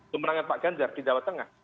kemenangan pak ganjar di jawa tengah